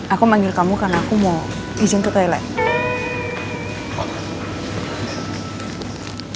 aku memanggil kamu karena aku mau izin ke thailand